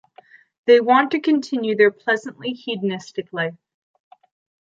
They want to continue their pleasantly hedonistic life.